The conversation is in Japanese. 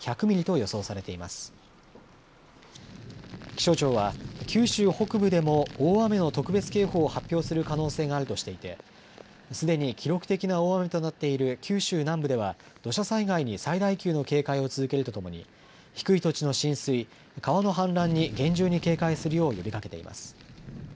気象庁は九州北部でも大雨の特別警報を発表する可能性があるとしていてすでに記録的な大雨となっている九州南部では土砂災害に最大級の警戒を続けるとともに低い土地の浸水、川の氾濫に厳重に警戒するよう呼びかけています。